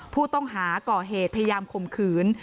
ผู้ต้องหาก่อเหตุพยายามข่มขืน